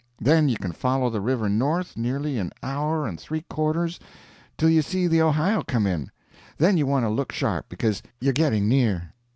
Then you can follow the river north nearly, an hour and three quarters, till you see the Ohio come in; then you want to look sharp, because you're getting near.